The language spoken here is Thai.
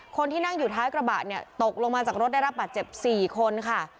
คนที่นั่งอยู่ท้ายกระบะเนี่ยตกลงมาจากรถได้รับบาดเจ็บ๔คนค่ะ